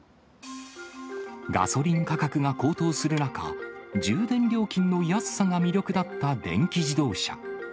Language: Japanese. ガソリン価格が高騰する中、充電料金の安さが魅力だった電気自動車。